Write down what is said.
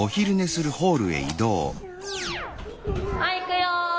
はい行くよ。